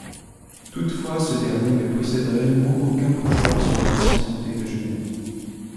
Toutefois ce dernier ne possède réellement aucun pouvoir sur l'ancien comté de Genève.